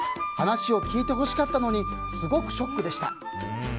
話を聞いてほしかったのにすごくショックでした。